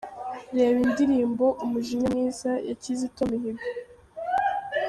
Reba indirimbo "Umujinya Mwiza" ya Kizito Mihigo.